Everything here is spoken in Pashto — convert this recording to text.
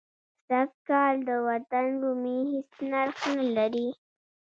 سږ کال د وطن رومي هېڅ نرخ نه لري.